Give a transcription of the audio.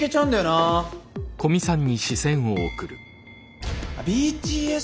あっＢＴＳ？